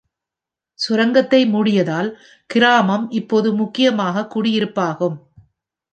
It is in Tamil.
சுரங்கத்தை மூடியதால் கிராமம் இப்போது முக்கியமாக குடியிருப்பாகும்.